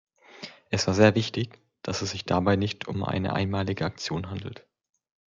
Es war sehr wichtig, dass es sich dabei nicht um einmalige Aktionen handelt.